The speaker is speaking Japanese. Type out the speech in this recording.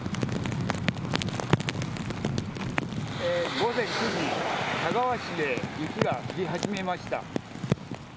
午前９時、田川市で雪が降り始めました。